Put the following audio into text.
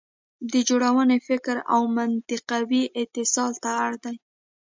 د جوړونې فکر او منطقوي اتصال ته اړ دی.